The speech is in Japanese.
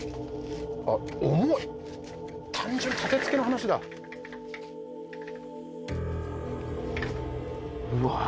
あっ重い単純たてつけの話だうわー